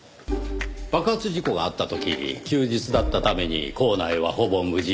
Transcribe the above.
爆発事故があった時休日だったために構内はほぼ無人。